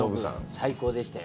最高でしたよ。